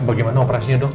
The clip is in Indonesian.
bagaimana operasinya dok